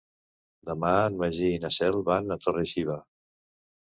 Demà en Magí i na Cel van a Torre-xiva.